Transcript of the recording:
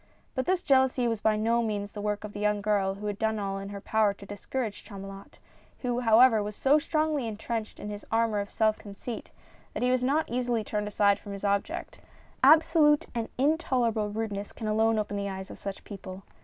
— But this jealousy was by no means the work of the young girl who had done all in her power to discourage Chamulot, who however, was so strongly intrenched in his armor of self conceit that he was not easily turned aside from his object — absolute and intolerable rudeness can alone open the eyes of such people.